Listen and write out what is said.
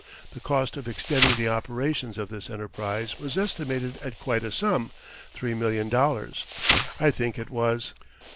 The cost of extending the operations of this enterprise was estimated at quite a sum three million dollars, I think it was.